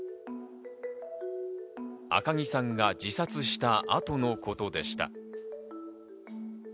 赤木さんが自殺した後のことでした。